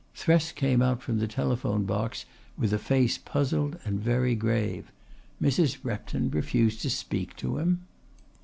Thresk came out from the telephone box with a face puzzled and very grave. Mrs. Repton refused to speak to him!